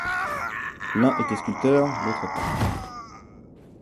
L'un était sculpteur, l'autre peintre.